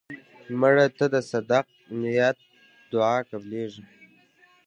مړه ته د صدق نیت دعا قبلیږي